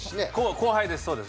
後輩です